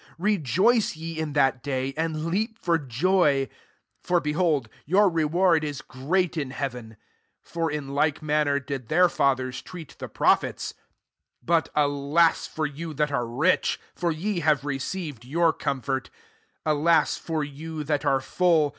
23 Rejoice ye in that day, and leap for joy: for, behold, youi» reward is great in heaven ; for in like manner did their fathers tr^at the prophets. 24 " But alas for you that an rich ! for ye have received your comfort. 25 Alas for you that are full